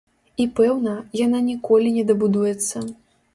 І, пэўна, яна ніколі не дабудуецца.